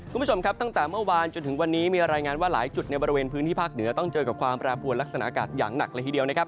คุณผู้ชมครับตั้งแต่เมื่อวานจนถึงวันนี้มีรายงานว่าหลายจุดในบริเวณพื้นที่ภาคเหนือต้องเจอกับความแปรปวนลักษณะอากาศอย่างหนักเลยทีเดียวนะครับ